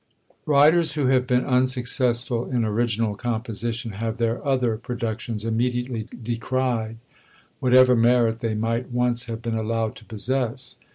Writers who have been unsuccessful in original composition have their other productions immediately decried, whatever merit they might once have been allowed to possess.